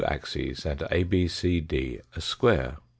axes an d ABCD a square.